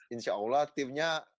insya allah timnya